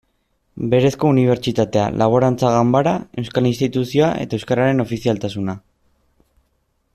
Berezko unibertsitatea, Laborantza Ganbara, Euskal Instituzioa eta euskararen ofizialtasuna.